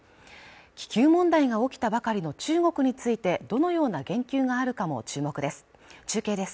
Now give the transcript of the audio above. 気球問題が起きたばかりの中国についてどのような言及があるかも注目です